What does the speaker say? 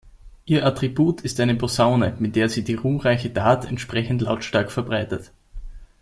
Ihr Attribut ist eine Posaune, mit der sie die ruhmreiche Tat entsprechend lautstark verbreitet.